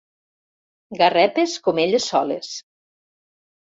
Garrepes com elles soles.